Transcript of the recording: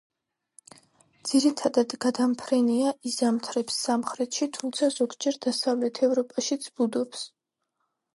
ძირითადად გადამფრენია, იზამთრებს სამხრეთში, თუმცა ზოგჯერ დასავლეთ ევროპაშიც ბუდობს.